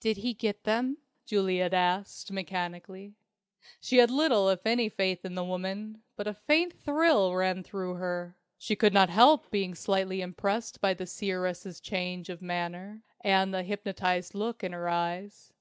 "Did he get them?" Juliet asked, mechanically. She had little if any faith in the woman, but a faint thrill ran through her. She could not help being slightly impressed by the seeress's change of manner, and the hypnotized look in her eyes.